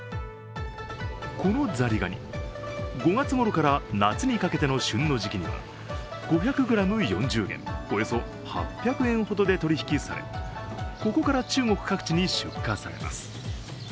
このザリガニ、５月ごろから夏にかけての旬の時期には５００ｇ４０元、およそ８００円ほどで取引されここから中国各地に出荷されます。